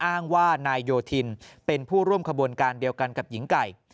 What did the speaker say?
อ้างว่านายโยธินเป็นผู้ร่วมขบวนการเดียวกันกับหญิงไก่